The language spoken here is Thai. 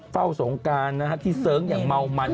เฝ้าสงการที่เสิร์ฟอย่างเมามัน